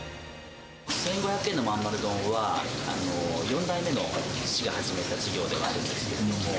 １５００円でまんまる丼は、４代目の父が始めた事業ではあるんですけれども。